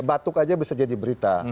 batuk aja bisa jadi berita